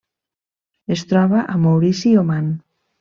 Es troba a Maurici i Oman.